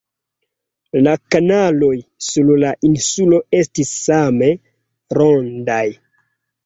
La kabanoj sur la insulo estis same rondaj.